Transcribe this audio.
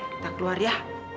kita keluar ya